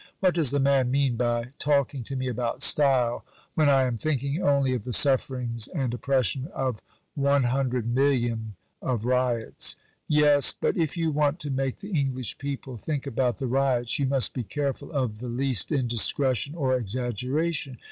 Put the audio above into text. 'What does the man mean by talking to me about style when I am thinking only of the sufferings and oppression of 100,000,000 of Ryots?' Yes, but if you want to make the English people think about the Ryots you must be careful of the least indiscretion or exaggeration.